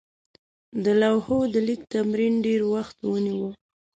د لوحو د لیک تمرین ډېر وخت ونیوه.